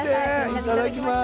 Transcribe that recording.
いただきます。